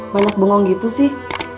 banyak bengong gitu sih